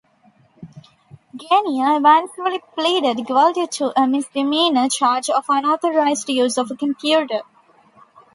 Ganier eventually pleaded guilty to a misdemeanor charge of unauthorized use of a computer.